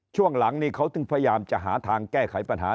ช่วงหลังนี่เขาถึงพยายามจะหาทางแก้ไขปัญหา